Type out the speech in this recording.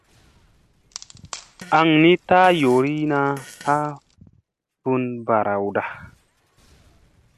Aŋ ni taara yoorina ha fun barawda.